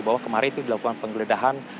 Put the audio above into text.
bahwa kemarin itu dilakukan penggeledahan